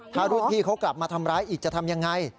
ถ้ารุ่นพี่เขากลับมาทำร้ายอีกจะทำยังไง